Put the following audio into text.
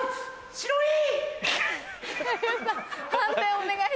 「白い！」